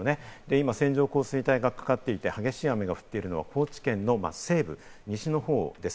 今、線状降水帯がかかっていて激しい雨が降っているのが高知県の西部、西の方です。